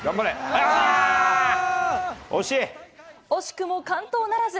惜しくも完登ならず。